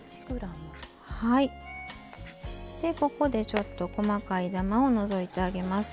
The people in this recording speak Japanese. でここでちょっと細かいダマを除いてあげます。